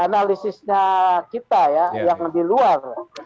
jadi analisisnya kita ya yang di luar